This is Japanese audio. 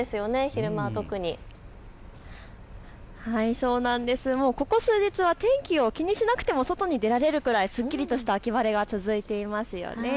昼間は特にここ数日は天気を気にしなくても外に出られるくらい、すっきりとした秋晴れが続いていますよね。